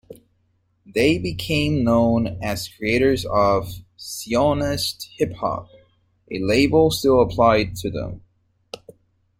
They became known as creators of "Zionist hip-hop", a label still applied to them.